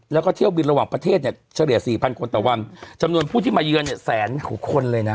แล้วก็เที่ยวบินระหว่างประเทศเนี่ยเฉลี่ยสี่พันคนต่อวันจำนวนผู้ที่มาเยือนเนี่ยแสนกว่าคนเลยนะ